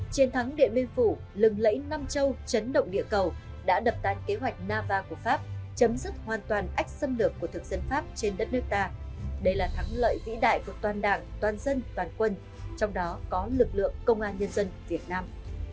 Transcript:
chiến thắng điện biên phủ lừng lẫy nam châu chấn động địa cầu đã đập tan kế hoạch nava của pháp chấm dứt hoàn toàn ách xâm lược của thực dân pháp trên đất nước ta đây là thắng lợi vĩ đại của toàn đảng toàn dân toàn quân trong đó có lực lượng công an nhân dân việt nam